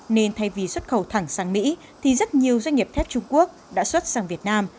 nên thay vì xuất khẩu thẳng sang mỹ thì rất nhiều doanh nghiệp thép trung quốc đã xuất sang việt nam